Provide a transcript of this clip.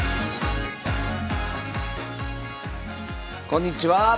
こんにちは。